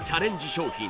商品